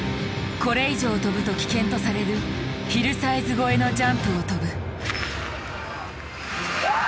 これ以上飛ぶと危険とされるヒルサイズ越えのジャンプを飛ぶ。